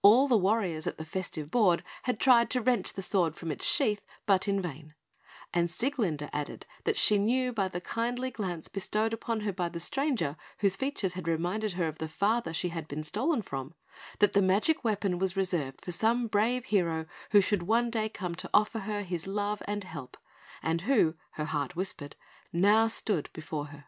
All the warriors at the festive board had tried to wrench the sword from its sheath, but in vain; and Sieglinde added that she knew by the kindly glance bestowed upon her by the stranger, whose features had reminded her of the father she had been stolen from, that the magic weapon was reserved for some brave hero who should one day come to offer her his love and help, and who, her heart whispered, now stood before her.